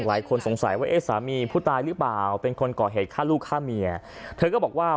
หลายคนสงสัยว่าเอ๊ะสามีผู้ตายหรือเปล่าเป็นคนก่อเหตุฆ่าลูกฆ่าเมียเธอก็บอกว่า